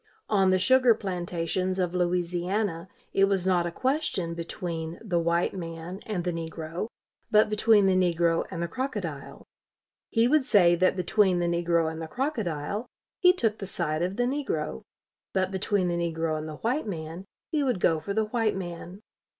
On the sugar plantations of Louisiana it was not a question between the white man and the negro, but between the negro and the crocodile. He would say that between the negro and the crocodile, he took the side of the negro; but between the negro and the white man, he would go for the white man.